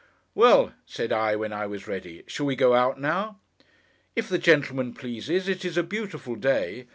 'Well!' said I, when I was ready, 'shall we go out now?' 'If the gentleman pleases. It is a beautiful day.